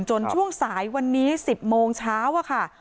ช่วงสายวันนี้๑๐โมงเช้าอะค่ะ